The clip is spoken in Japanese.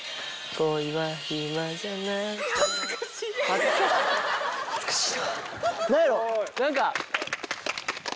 恥ずかしい。